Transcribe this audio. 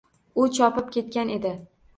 U chopib ketgan edi